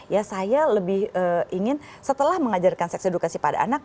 ya saya lebih ingin setelah mengajarkan seks edukasi pada anak